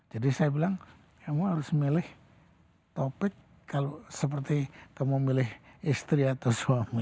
jadi saya bilang kamu harus milih topik kalau seperti kamu milih istri atau suami